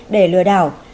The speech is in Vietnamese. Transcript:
để lừa đảo